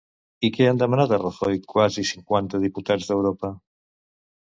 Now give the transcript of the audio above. I què han demanat a Rajoy quasi cinquanta diputats d'Europa?